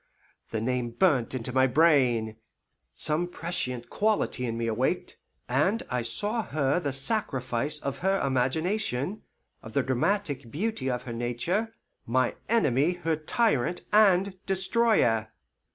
The name burnt into my brain. Some prescient quality in me awaked, and I saw her the sacrifice of her imagination, of the dramatic beauty of her nature, my enemy her tyrant and destroyer.